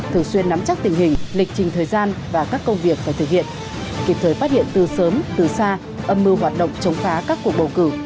thường xuyên nắm chắc tình hình lịch trình thời gian và các công việc phải thực hiện kịp thời phát hiện từ sớm từ xa âm mưu hoạt động chống phá các cuộc bầu cử